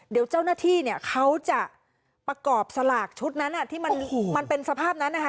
เดี๋ยวเจ้าหน้าที่เนี่ยเขาจะประกอบสลากชุดนั้นที่มันเป็นสภาพนั้นนะคะ